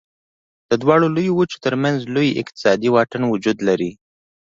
د دواړو لویو وچو تر منځ لوی اقتصادي واټن وجود لري.